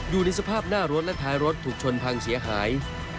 อยู่ในสภาพหน้ารถและท้ายรถถูกชนพังเสียหาย